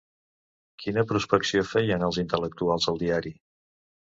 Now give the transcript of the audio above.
Quina prospecció feien els intel·lectuals al diari?